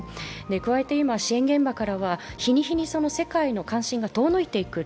加えて今、支援現場からは日に日に世界からの関心が遠のいていくこ